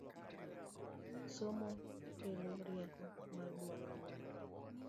Somo kelo rieko mar duaro mwandu